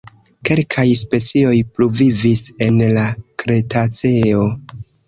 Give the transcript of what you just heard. Kelkaj specioj pluvivis en la Kretaceo.